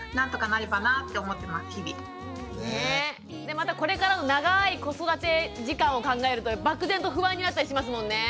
またこれからの長い子育て時間を考えると漠然と不安になったりしますもんね。